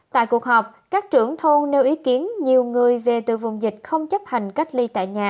tại cuộc họp các trưởng thôn nêu ý kiến nhiều người về từ vùng dịch không chấp hành cách ly tại nhà